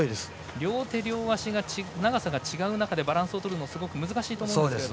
両手・両足の長さが違う中でバランスをとるのはすごく難しいと思いますが。